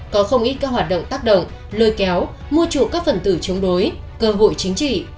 có không ít các hoạt động tác động lôi kéo mua chủ các phần tử chống đối cơ hội chính trị